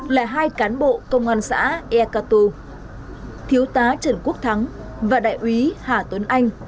là hai cán bộ công an xã ea cà tù thiếu tá trần quốc thắng và đại úy hà tuấn anh